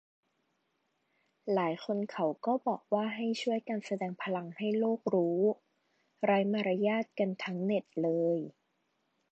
หลายคนเขาก็บอกว่าให้ช่วยกันแสดงพลังให้โลกรู้ - ไร้มารยาทกันทั้งเน็ตเลย